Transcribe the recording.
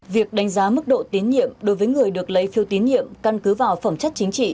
việc đánh giá mức độ tín nhiệm đối với người được lấy phiêu tín nhiệm căn cứ vào phẩm chất chính trị